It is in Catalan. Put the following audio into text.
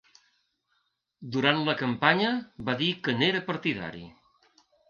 Durant la campanya va dir que n’era partidari.